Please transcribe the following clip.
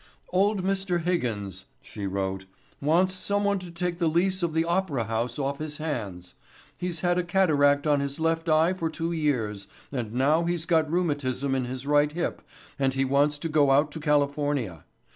"Old Mr. Higgins," she wrote, "wants someone to take the lease of the Opera House off his hands. He's had a cataract on his left eye for two years, and now he's got rheumatism in his right hip and he wants to go out to California.